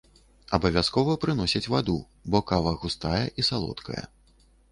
Абавязкова прыносяць ваду, бо кава густая і салодкая.